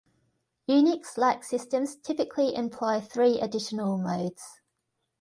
Unix-like systems typically employ three additional modes.